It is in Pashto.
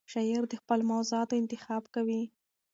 شاعر د خپلو موضوعاتو انتخاب کوي.